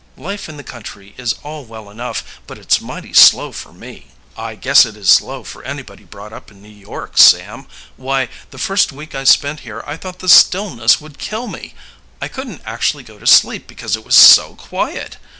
Life in the country is all well enough, but it's mighty slow for me." "I guess it is slow for anybody brought up in New York, Sam. Why, the first week I spent here I thought the stillness would kill me. I couldn't actually go to sleep because it was so quiet.